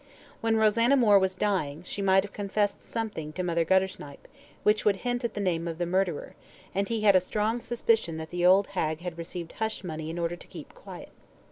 When Rosanna Moore was dying, she might have confessed something to Mother Guttersnipe, which would hint at the name of the murderer, and he had a strong suspicion that the old hag had received hush money in order to keep quiet.